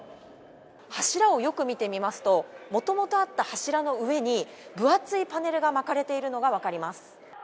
柱をよく見てみますと、もともとあった柱の上に、分厚いパネルが巻かれているのが分かります。